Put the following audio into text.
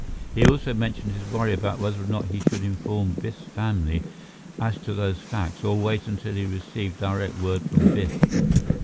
He also mentioned his worry about whether or not he should inform Biff's family as to those facts, or wait until he received direct word from Biff.